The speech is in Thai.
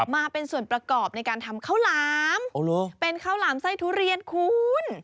มาเป็นส่วนประกอบในการทำข้าวหลามเป็นข้าวหลามไส้ทุเรียนคุณ